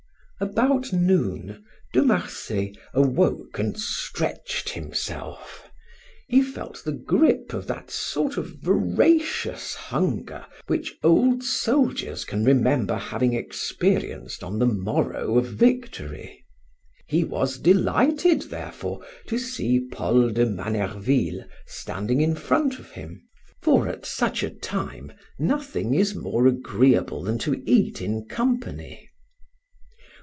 About noon De Marsay awoke and stretched himself; he felt the grip of that sort of voracious hunger which old soldiers can remember having experienced on the morrow of victory. He was delighted, therefore, to see Paul de Manerville standing in front of him, for at such a time nothing is more agreeable than to eat in company.